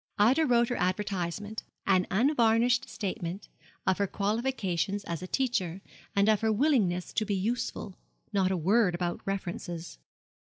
Ida wrote her advertisement, an unvarnished statement of her qualifications as a teacher, and of her willingness to be useful; not a word about references.